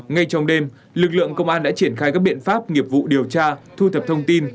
ngay trong đêm lực lượng công an đã triển khai các biện pháp nghiệp vụ điều tra thu thập thông tin